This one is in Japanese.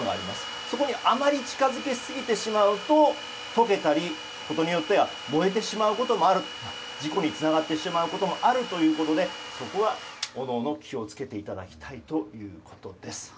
そこにあまり近づけすぎてしまうと溶けることによって燃えてしまうこともある事故につながることもあるということでそこは各々、気を付けていただきたいということです。